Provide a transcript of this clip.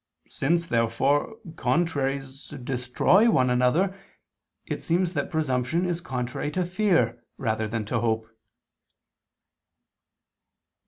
Since therefore contraries destroy one another, it seems that presumption is contrary to fear rather than to hope.